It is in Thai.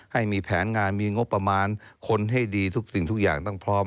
ให้มีแผนงานมีงบประมาณคนให้ดีทุกสิ่งทุกอย่างต้องพร้อม